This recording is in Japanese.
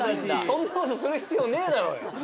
そんな事する必要ねぇだろうよ。